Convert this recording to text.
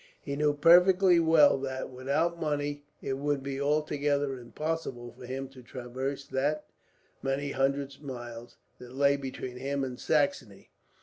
He knew perfectly well that, without money, it would be altogether impossible for him to traverse the many hundred miles that lay between him and Saxony.